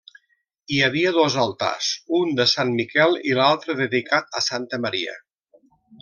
Hi havia dos altars, un de sant Miquel i l'altre dedicat santa Maria.